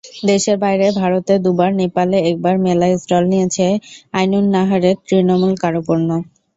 দেশের বাইরে ভারতে দুবার, নেপালে একবার মেলায় স্টল নিয়েছে আইনুন্নাহারের তৃণমূল কারুপণ্য।